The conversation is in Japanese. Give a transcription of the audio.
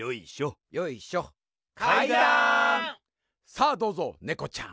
さあどうぞネコちゃん。